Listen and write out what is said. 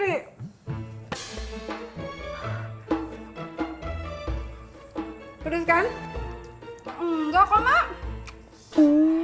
hai terus kan enggak kok mak